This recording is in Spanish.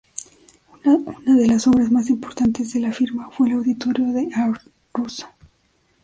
Una de las obras más importantes de la firma fue el Auditorio de Aarhus.